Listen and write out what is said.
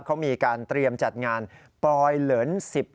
เขามีการเตรียมจัดงานปลอยเหลิน๑๐